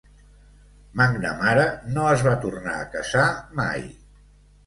McNamara no es va tornar a casar mai.